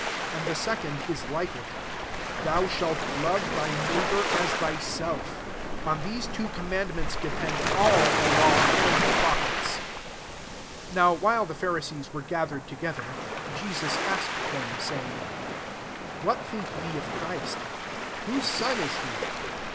09 And the secondly like it; 'Thou shall love thy neighbour as thysetf.' 40 On these two command ments depend all the law and the prophets." 41 NOW while the Phari* sees were gathered together, Jesus asked them, 42 saying, "What think ye of Christ? whose son is he?"